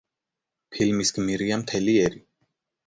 ფილმის გმირია მთელი ერი.